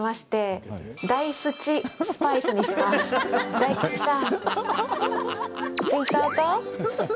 大吉さん